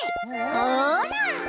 ほら。